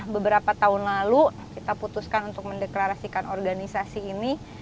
beberapa tahun lalu kita putuskan untuk mendeklarasikan organisasi ini